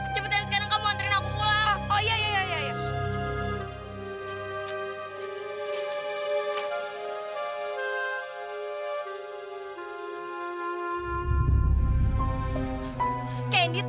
cepetan sekarang kamu hantarin aku pulang